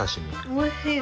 おいしい！